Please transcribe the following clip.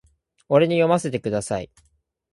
俺に読ませてください